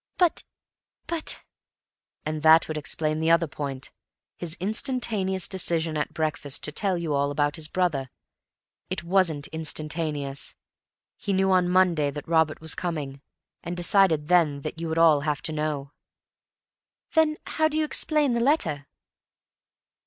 "But—but—" "And that would explain the other point—his instantaneous decision at breakfast to tell you all about his brother. It wasn't instantaneous. He knew on Monday that Robert was coming, and decided then that you would all have to know." "Then how do you explain the letter?"